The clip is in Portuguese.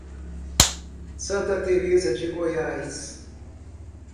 Santa Tereza de Goiás